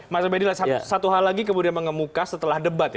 mas obadi lah satu hal lagi kemudian mengemukas setelah debat ya